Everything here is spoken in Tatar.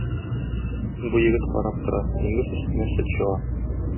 Бу егет карап тора: диңгез өстенә сөт чыга.